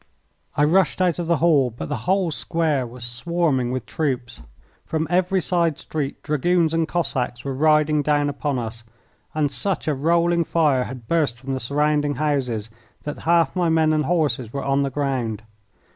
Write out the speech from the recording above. I rushed out of the hall, but the whole square was swarming with troops. From every side street Dragoons and Cossacks were riding down upon us, and such a rolling fire had burst from the surrounding houses that half my men and horses were on the ground.